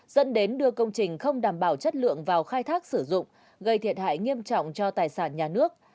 dẫn đến đưa công trình không đảm bảo chất lượng vào khai thác sử dụng gây thiệt hại nghiêm trọng cho tài sản nhà nước